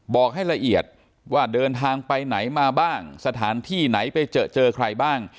บอกให้ละเอียดว่าเดินทางไปไหนมาบ้างสถานที่ไหนไปเจอเจอใครบ้าง